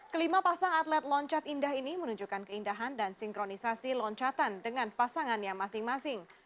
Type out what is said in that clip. kelima pasang atlet loncat indah ini menunjukkan keindahan dan sinkronisasi loncatan dengan pasangannya masing masing